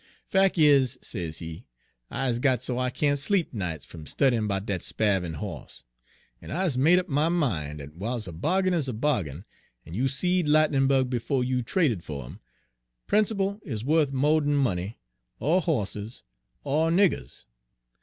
Fac' is,' sezee, 'I is got so I can't sleep nights fum studyin' 'bout dat spavin' hoss; en I is made up my min' dat, w'iles a bahg'in is a bahg'in, en you seed Lightnin' Bug befo' you traded fer 'im, principle is wuth mo' d'n money er hosses er niggers.